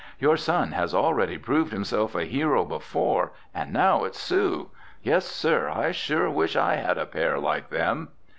"Your son has already proved himself a hero before and now it's Sue. Yes, sir, I sure wish I had a pair like them!"